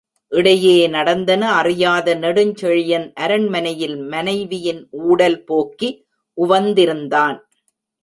இடையே நடந்தன அறியாத நெடுஞ்செழியன் அரண்மனையில் மனைவியின் ஊடல் போக்கி உவந்திருந்தான்.